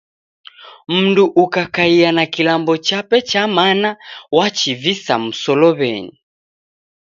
Mndu ukakaia na kilambo chape cha mana wachivisa musolow'enyi.